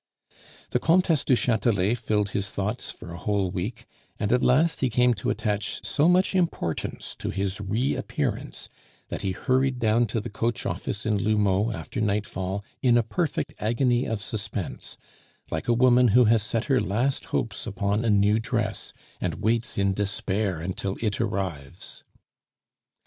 The Comtesse du Chatelet filled his thoughts for a whole week; and at last he came to attach so much importance to his reappearance, that he hurried down to the coach office in L'Houmeau after nightfall in a perfect agony of suspense, like a woman who has set her last hopes upon a new dress, and waits in despair until it arrives.